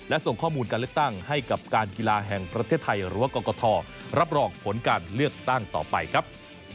และส่งข้อมูลการเลือกตั้งให้กับการกีฬาแห่งประเทศไทยหรือว่ากรกฐรับรองผลการเลือกตั้งต่อไปครับ